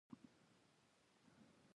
د اسلامي تمدن په پرمختګ کی د سوداګری اغیز